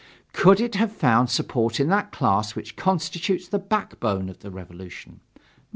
Could it have found support in that class which constitutes the backbone of the Revolution?